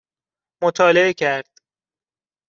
مطالعه کرد